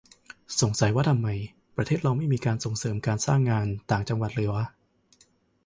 สงสัยว่าทำไม ประเทศเราไม่มีการส่งเสริมการสร้างงาน ต่างจังหวัดเลยวะ